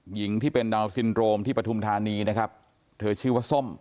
หญิงที่เป็นดาวนซินโรมที่ปฐุมธานีนะครับเธอชื่อว่าส้ม